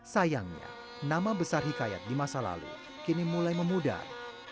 sayangnya nama besar hikayat di masa lalu kini mulai memudar